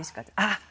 あっ！